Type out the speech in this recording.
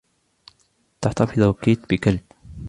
تحتفظ كيت بكلب.